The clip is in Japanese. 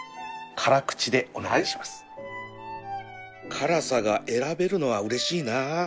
辛さが選べるのはうれしいな